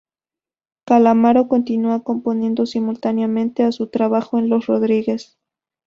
Calamaro continúa componiendo simultáneamente a su trabajo en Los Rodríguez.